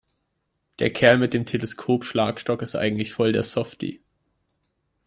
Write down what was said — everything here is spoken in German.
Der Kerl mit dem Teleskopschlagstock ist eigentlich voll der Softie.